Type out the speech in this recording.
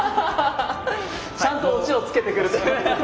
ちゃんとオチを付けてくれてる。